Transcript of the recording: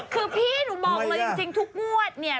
คือพี่หนูบอกเลยจริงทุกงวดเนี่ย